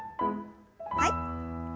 はい。